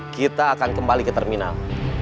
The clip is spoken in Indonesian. kita akan kembali ke terminal